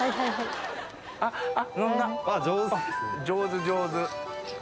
上手上手。